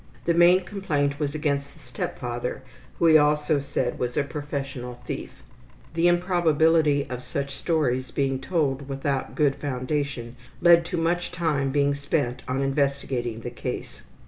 The main complaint was against the step father, who he also said was a professional thief. The improbability of such stories being told without good foundation led to much time being spent on investigating the case.